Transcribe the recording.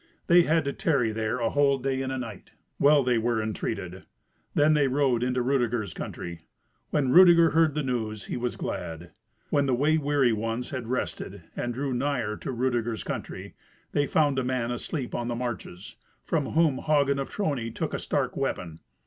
They had to tarry there a whole day and a night. Well they were entreated! Then they rode into Rudeger's country. When Rudeger heard the news, he was glad. When the way weary ones had rested, and drew nigher to Rudeger's country, they found a man asleep on the marches, from whom Hagen of Trony took a stark weapon.